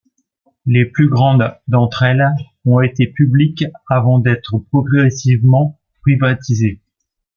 Les plus grandes d’entre elles ont été publiques avant d’être progressivement privatisées.